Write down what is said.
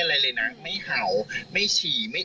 คือตอนนั้นหมากกว่าอะไรอย่างเงี้ย